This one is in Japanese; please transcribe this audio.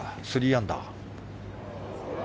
３アンダー。